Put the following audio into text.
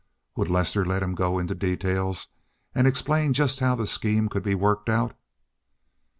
Would Lester let him go into details, and explain just how the scheme could be worked out?